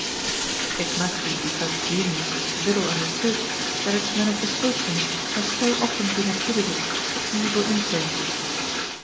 It must be because genius is little understood that its manifestations have so often been attributed to evil influences.